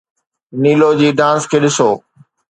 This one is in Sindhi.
نيلو جي ڊانس کي ڏسو.